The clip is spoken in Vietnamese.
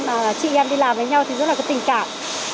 mà chị em đi làm với nhau thì rất là cái tình cảm